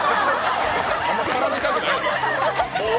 あんま絡みたくないの？